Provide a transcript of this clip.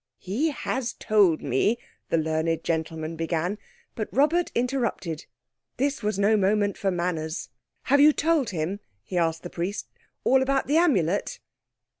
"He has told me," the learned gentleman began, but Robert interrupted. This was no moment for manners. "Have you told him," he asked the Priest, "all about the Amulet?"